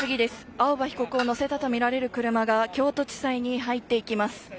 青葉被告を乗せたとみられる車が京都地裁に入っていきます。